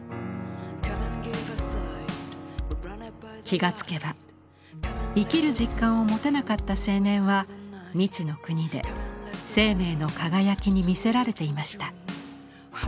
気が付けば生きる実感を持てなかった青年は未知の国で生命の輝きに魅せられていました。